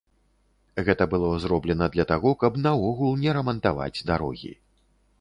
Гэта было зроблена для таго, каб наогул не рамантаваць дарогі.